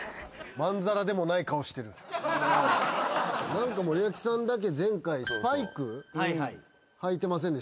何か森脇さんだけ前回スパイク履いてませんでした？